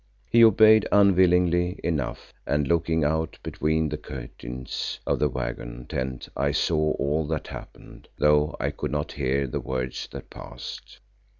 He obeyed unwillingly enough and looking out between the curtains of the waggon tent I saw all that happened, though I could not hear the words that passed.